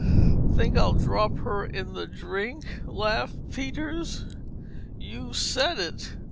"Think I'd drop her in the drink?" laughed Peters. "You said it.